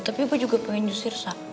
tapi gue juga pengen jus sirsak